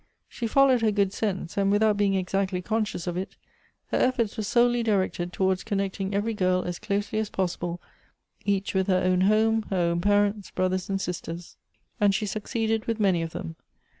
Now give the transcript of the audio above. She followed her good sense, and, without being exactly conscious of it, her efforts were solely directed towards connecting every girl as closely as possible each with her own home, her own parents, brothers and sisters : and 140 Goethe's she succeeded with many of them.